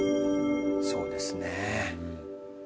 そうですね。